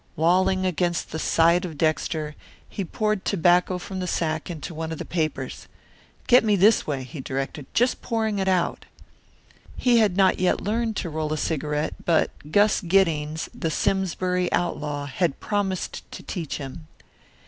Lolling against the side of Dexter, he poured tobacco from the sack into one of the papers. "Get me this way," he directed, "just pouring it out." He had not yet learned to roll a cigarette, but Gus Giddings, the Simsbury outlaw, had promised to teach him.